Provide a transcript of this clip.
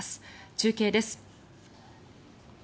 中継です。